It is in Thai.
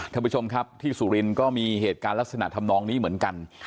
ท่านผู้ชมครับที่สุรินทร์ก็มีเหตุการณ์ลักษณะทำนองนี้เหมือนกัน